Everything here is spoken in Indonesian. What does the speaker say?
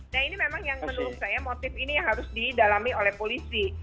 nah ini memang yang menurut saya motif ini yang harus didalami oleh polisi